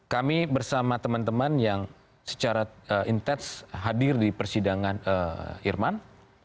kami bersama teman teman yang secara intens hadir di persidangan irman